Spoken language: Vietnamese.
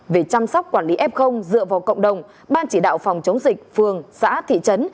về chăm sóc quản lý f dựa vào cộng đồng ban chỉ đạo phòng chống dịch phường xã thị trấn